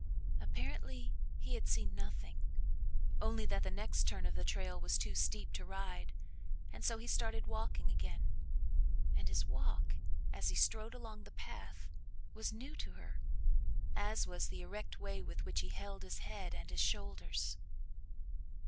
Apparently, he had seen nothing only that the next turn of the trail was too steep to ride, and so he started walking again, and his walk, as he strode along the path, was new to her, as was the erect way with which he held his head and his shoulders.